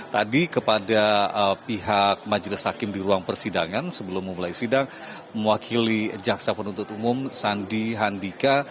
tadi kepada pihak majelis hakim di ruang persidangan sebelum memulai sidang mewakili jaksa penuntut umum sandi handika